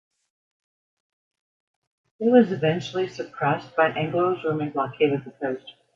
It was eventually suppressed by an Anglo-German blockade of the coast.